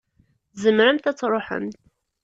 Tzemremt ad tṛuḥemt.